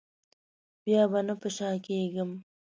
بیا به نه په شا کېږم.